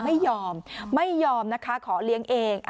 ไม่ยอมไม่ยอมนะคะขอเลี้ยงเอง